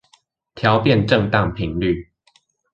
調變振盪頻率